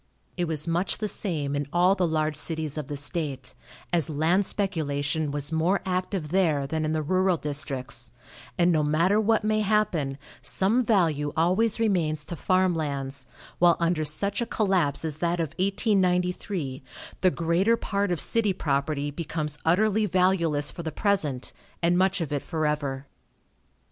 It was much the same in all the large cities of the state, as land speculation was more active there than in the rural districts, and no matter what may happen, some value always remains to farm lands, while under such a collapse as that of 1893 the greater part of city property becomes utterly valueless for the present, and much of it forever.